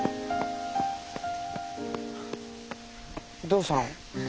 どうしたの？